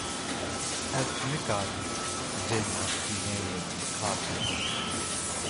Ez nikarim vê makîneyê bi kar bînim.